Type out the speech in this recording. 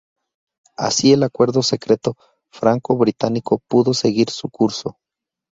Así el acuerdo secreto franco-británico pudo seguir su curso.